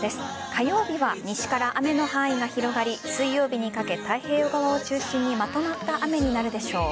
火曜日は西から雨の範囲が広がり水曜日にかけ太平洋側を中心にまとまった雨になるでしょう。